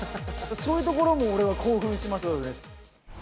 そういうところも俺は興奮しました。